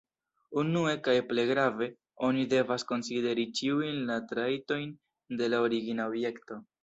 Unue, kaj plej grave, oni devas konsideri ĉiujn la trajtojn de la origina objekto.